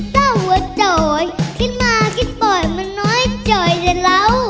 เจอยันแล้ว